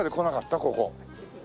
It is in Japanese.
ここ。